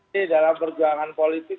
jadi dalam perjuangan politik